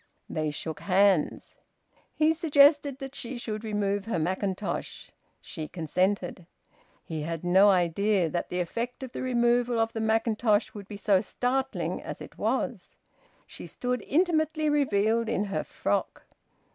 They shook hands. He suggested that she should remove her mackintosh. She consented. He had no idea that the effect of the removal of the mackintosh would be so startling as it was. She stood intimately revealed in her frock.